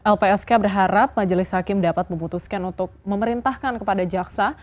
lpsk berharap majelis hakim dapat memutuskan untuk memerintahkan kepada jaksa